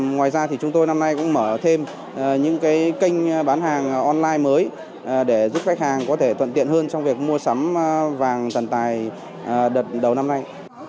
ngoài ra thì chúng tôi năm nay cũng mở thêm những kênh bán hàng online mới để giúp khách hàng có thể tuận tiện hơn trong việc mua sắm vàng thần tài đợt đầu năm nay